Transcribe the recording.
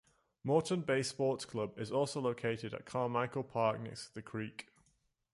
Moreton Bay Sports Club is also located at Carmichael Park next to the creek.